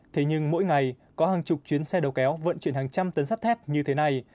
thế nhưng mỗi ngày có hàng chục chuyến xe đầu kéo vận chuyển hàng trăm tấn sắt thép như thế này